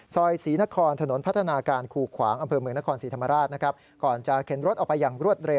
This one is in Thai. ซอยศรีนครถนนพัฒนาการคู่ขวาง